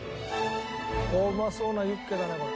うまそうなユッケだねこれ。